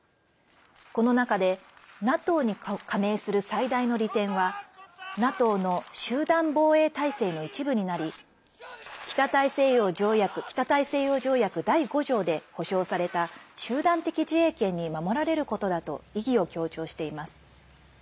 この中でＮＡＴＯに加盟する最大の利点は、ＮＡＴＯの集団防衛体制の一部になり北大西洋条約第５条で保障された集団的自衛権に守られることだと意義を強調しています。